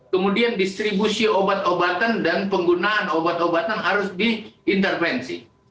kemudian distribusi obat obatan dan penggunaan obat obatan harus diintervensi